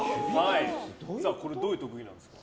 どういう特技なんですか？